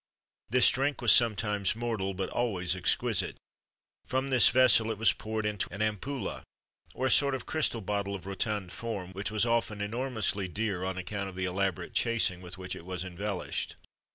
This drink was sometimes mortal, but always exquisite.[XXV 30] From this vessel, it was poured into an ampula, or a sort of crystal bottle of rotund form, which was often enormously dear on account of the elaborate chasing with which it was embellished.